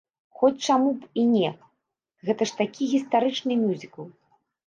Хоць, чаму б і не, гэта ж такі гістарычны мюзікл.